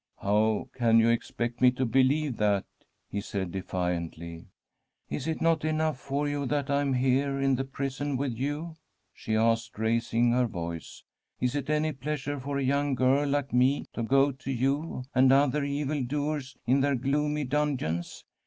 ' How can you expect me to believe that ?' he said defiantly. ' Is it not enough for you that I am here in the prison with you ?' she asked, raising her voice. * Is it any pleasure for a young girl like me to go to you and other evil doers in their gloomy dun geons?